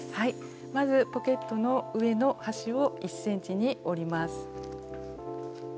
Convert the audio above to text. まずポケットの上の端を１ｃｍに折ります。